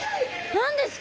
何ですか？